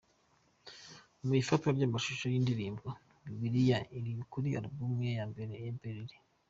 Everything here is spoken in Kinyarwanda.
Mu ifatwa ry’amashusho yíndirimbo “Bibiliya”iri kuri album ye ya mbere I Berlin.